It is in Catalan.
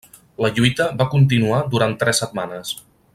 La lluita va continuar durant tres setmanes.